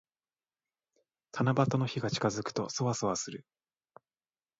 七夕の日が近づくと、そわそわする。